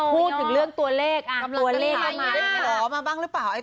พูดถึงเรื่องตัวเลข